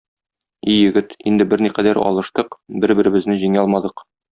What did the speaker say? И егет, инде берникадәр алыштык, бер-беребезне җиңә алмадык.